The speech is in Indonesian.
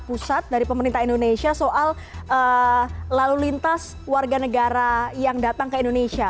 pusat dari pemerintah indonesia soal lalu lintas warga negara yang datang ke indonesia